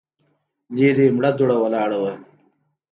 ليرې مړه دوړه ولاړه وه.